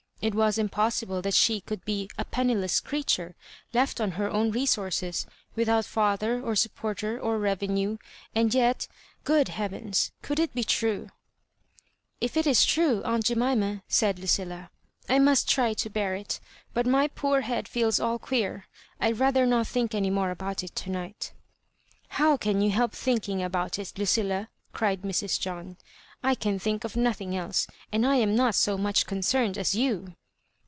It was impossible that she could be a penniless creature, left on her own resources, without father or sup porter or revenue; and yet — good heavens I could it be true ?" If it is true, aunt Jemima," said Ludlia, ^* 1 must try to bear it; but my poor head feels all queer. I'd rather not think any more about it to night." " How can you help thmking about it, Lucilla ?" cried Mrs. John. ^ I can think of nothing else ; and I am not so much ooncerned as you."